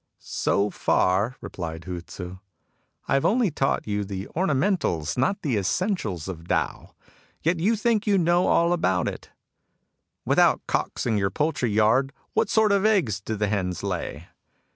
" So far," replied Hu Tzii, " I have only taught you the ornamentals, not the essentials, of Tao ; and yet you think you know all about it. With out cocks in your poultry yard, what sort of eggs do the hens lay